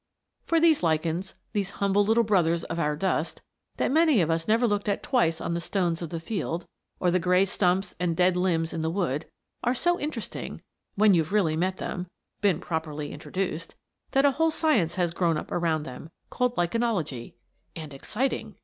For these lichens, these humble little brothers of our dust, that many of us never looked at twice on the stones of the field, or the gray stumps and dead limbs in the wood, are so interesting when you've really met them been properly introduced that a whole science has grown up around them called "lichenology." And exciting!